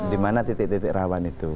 di mana titik titik rawan itu